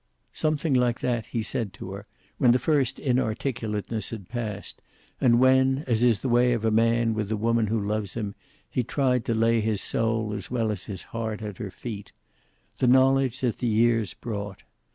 Something like that he said to her, when the first inarticulateness had passed, and when, as is the way of a man with the woman who loves him, he tried to lay his soul as well as his heart at her feet. The knowledge that the years brought.